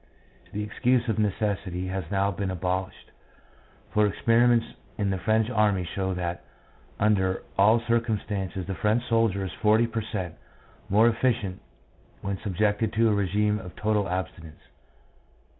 The excuse of necessity has now been abolished, for experiments in the French army show that under all circumstances the French soldier is 40 per cent, more efficient when subjected to a regime of total abstinence.